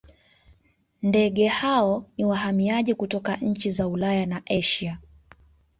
ndeege hao ni wahamiaji kutoka nchi za ulaya na asia